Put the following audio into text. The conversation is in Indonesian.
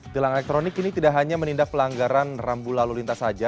tilang elektronik ini tidak hanya menindak pelanggaran rambu lalu lintas saja